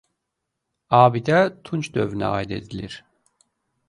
Abidə tunc dövrünə aid edilir.